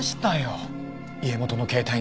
家元の携帯に。